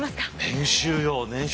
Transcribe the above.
年収よ年収。